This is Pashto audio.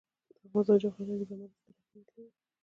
د افغانستان جغرافیه کې زمرد ستر اهمیت لري.